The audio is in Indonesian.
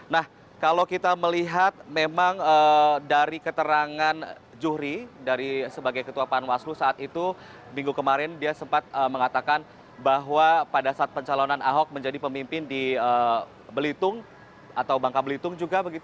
nah kalau kita melihat memang dari keterangan juhri sebagai ketua panwaslu saat itu minggu kemarin dia sempat mengatakan bahwa pada saat pencalonan ahok menjadi pemimpin di belitung atau bangka belitung juga